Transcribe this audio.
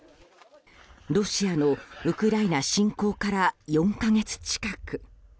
ロシアのウクライナ侵攻から４か月近く。